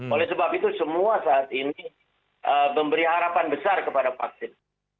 oleh sebab itu semua saat ini memberi harapan besar kepada vaksin